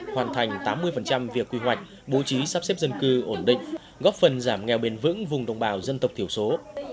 hoàn thành tám mươi việc quy hoạch bố trí sắp xếp dân cư ổn định góp phần giảm nghèo bền vững vùng đồng bào dân tộc thiểu số